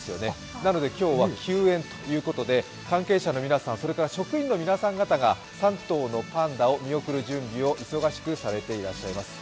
なので今日は休園ということで、関係者の皆さん、それから職員の皆様方が、３頭のパンダを見送る準備を忙しくされていらっしゃいます。